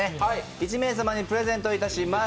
１名様にプレゼントいたします。